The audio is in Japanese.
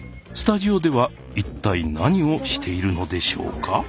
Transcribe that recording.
スタジオでは一体何をしているのでしょうか？